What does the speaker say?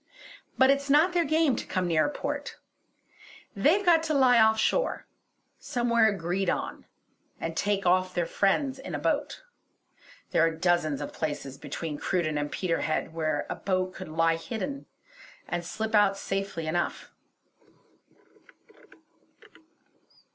But it's not their game to come near a port. They've got to lie off shore, somewhere agreed on, and take off their friends in a boat. There are dozens of places between Cruden and Peterhead where a boat could lie hidden, and slip out safely enough.